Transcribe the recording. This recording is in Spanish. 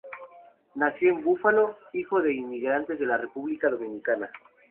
Nació en Buffalo, hijo de inmigrantes de la República Dominicana.